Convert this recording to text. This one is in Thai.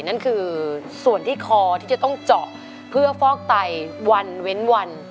นั่นคือส่วนที่คอที่จะต้องเจาะเพื่อฟอกไตวันเว้นวัน